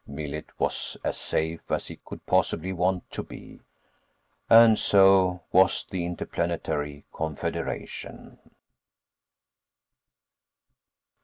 Millet was as safe as he could possibly want to be. And so was the Interplanetary Confederation.